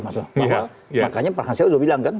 makanya pak hangso sudah bilang kan